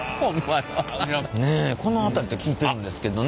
ねえこの辺りと聞いてるんですけどね。